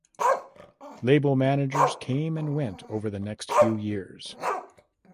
Label managers came and went over the next few years.